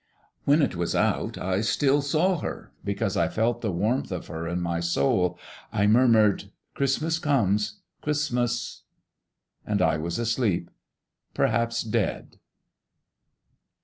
When it was out I still saw her, because I felt the warmth of her in my soul. I murmured: "Christmas comes, Christmas " And I was asleep, perhaps dead.